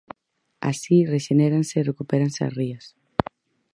Así rexenéranse e recupéranse as rías.